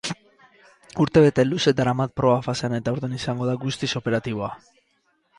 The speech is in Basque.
Urtebete luze darama proba-fasean eta aurten izango da guztiz operatiboa.